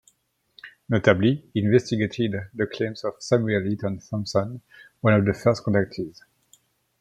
Notably, he investigated the claims of Samuel Eaton Thompson, one of the first contactees.